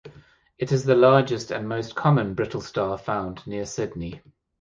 It is the largest and most common brittle star found near Sydney.